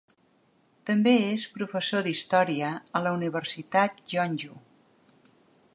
També és professor d'història a la universitat Jeonju.